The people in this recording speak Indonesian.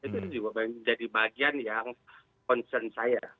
itu juga menjadi bagian yang concern saya